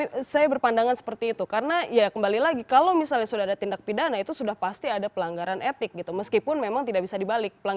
ya saya berpandangan seperti itu karena ya kembali lagi kalau misalnya sudah ada tindak pidana itu sudah pasti ada pelanggaran etik gitu meskipun memang tidak bisa dibalik